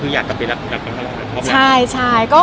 อยากกลับไปแล้วผลงานมาก